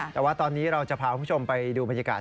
แต่ว่าตอนนี้เราจะพาคุณผู้ชมไปดูบรรยากาศ